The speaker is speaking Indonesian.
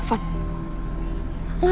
apa yang terjadi